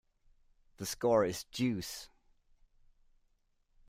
The score is deuce.